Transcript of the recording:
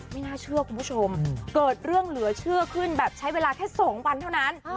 ไม่น่าเชื่อคุณผู้ชมเกิดเรื่องเหลือเชื่อขึ้นแบบใช้เวลาแค่๒วันเท่านั้น